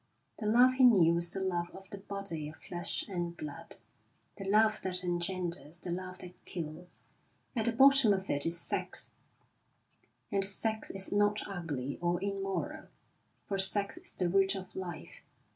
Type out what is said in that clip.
The love he knew was the love of the body of flesh and blood, the love that engenders, the love that kills. At the bottom of it is sex, and sex is not ugly or immoral, for sex is the root of life.